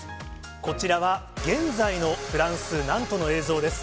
こちらは現在のフランス・ナントの映像です。